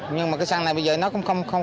nhưng mà cây xăng này bây giờ nó không